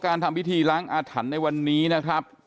ทำพิธีล้างอาถรรพ์ในวันนี้นะครับ